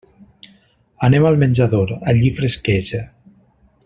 Anem al menjador; allí fresqueja.